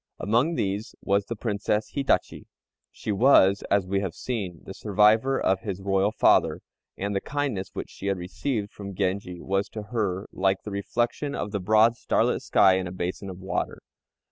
Among these was the Princess Hitachi. She was, as we have seen, the survivor of his Royal father, and the kindness which she had received from Genji was to her like the reflection of the broad starlit sky in a basin of water.